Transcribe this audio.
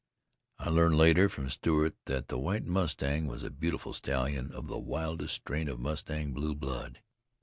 I learned later from Stewart that the White Mustang was a beautiful stallion of the wildest strain of mustang blue blood.